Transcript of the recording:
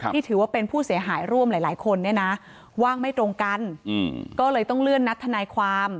ถือว่าเป็นผู้เสียหายร่วมหลายคนเนี่ยนะว่างไม่ตรงกันก็เลยต้องเลื่อนนัดทนายความ